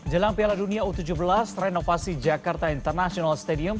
jelang piala dunia u tujuh belas renovasi jakarta international stadium